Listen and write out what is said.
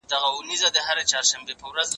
زه به سبا د هنرونو تمرين کوم!!